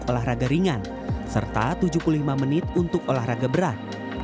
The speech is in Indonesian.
olahraga ringan serta tujuh puluh lima menit untuk olahraga berat